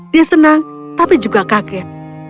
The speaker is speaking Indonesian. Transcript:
dia senang tapi juga kaget